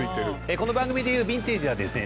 この番組でいうヴィンテージはですね